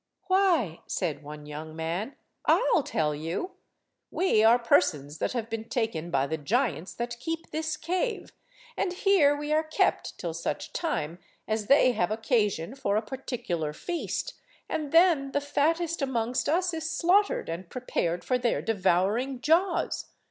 "Why," said one young man, "I'll tell you. We are persons that have been taken by the giants that keep this cave, and here we are kept till such time as they have occasion for a particular feast, and then the fattest amongst us is slaughtered and prepared for their devouring jaws.